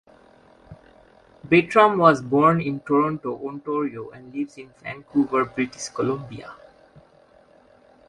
Bertram was born in Toronto, Ontario, and lives in Vancouver, British Columbia.